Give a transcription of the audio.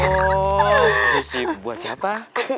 oh puisi buat siapa